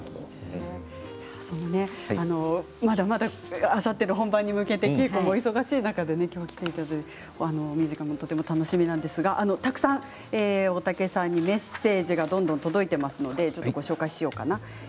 まだまだあさっての本番に向けて稽古もお忙しい中今日来ていただいてミュージカルもとても楽しみなんですがたくさん大竹さんにメッセージがどんどん届いています。